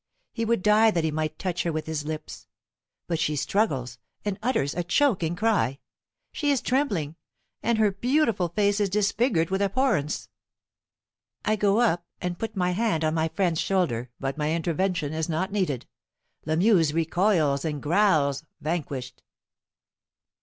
He would die that he might touch her with his lips. But she struggles, and utters a choking cry. She is trembling, and her beautiful face is disfigured with abhorrence. I go up and put my hand on my friend's shoulder, but my intervention is not needed. Lamuse recoils and growls, vanquished.